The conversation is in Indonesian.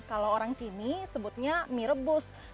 kalau orang sini sebutnya mie rebus